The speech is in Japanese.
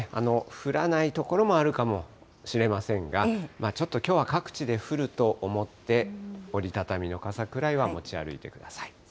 降らない所もあるかもしれませんが、ちょっときょうは各地で降ると思って、折り畳みの傘くらいは持ち歩いてください。